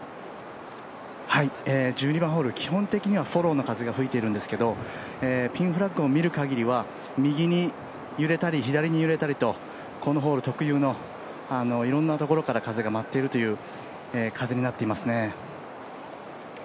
１２番ホール、基本的にはフォローの風が吹いているんですけどピンフラッグを見るかぎりは右に揺れたり左に揺れたりとこのホール特有のいろんなところから風が舞っているという風になっていますね。